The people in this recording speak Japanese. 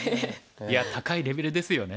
いや高いレベルですよね。